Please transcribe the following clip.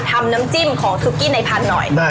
ทั้งหมดที่เขาว่าเนี่ย